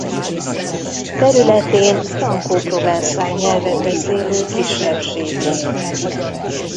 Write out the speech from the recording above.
Területén franko-provenszál nyelvet beszélő kisebbség él.